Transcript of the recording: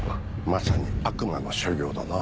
まさに悪魔の所業だな。